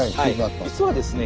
実はですね